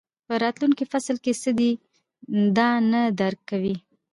په راتلونکي فصل کې څه دي دا نه درک کوئ.